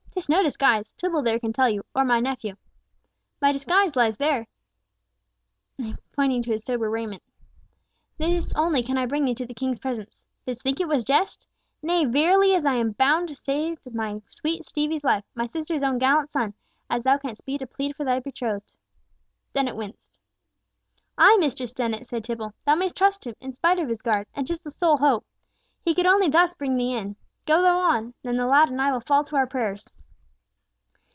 "'Tis no disguise, Tibble there can tell you, or my nephew. My disguise lies there," pointing to his sober raiment. "Thus only can I bring thee to the King's presence! Didst think it was jest? Nay, verily, I am as bound to try to save my sweet Stevie's life, my sister's own gallant son, as thou canst be to plead for thy betrothed." Dennet winced. "Ay, Mistress Dennet," said Tibble, "thou mayst trust him, spite of his garb, and 'tis the sole hope. He could only thus bring thee in. Go thou on, and the lad and I will fall to our prayers."